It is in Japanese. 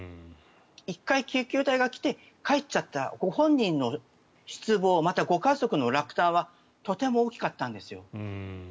１回救急隊が来て帰っちゃったご本人の失望、家族の落胆はとても大きかったんですよ。